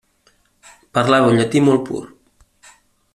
Parlava un llatí molt pur.